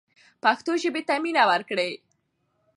پښتو ژبې ته مینه ورکړئ.